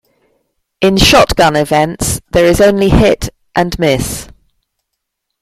In shotgun events, there is only hit and miss.